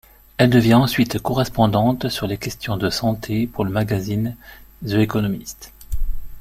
Elle devient ensuite correspondante sur les questions de santé pour le magazine The Economist.